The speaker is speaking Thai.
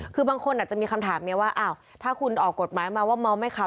คือบางคนอาจจะมีคำถามนี้ว่าอ้าวถ้าคุณออกกฎหมายมาว่าเมาไม่ขับ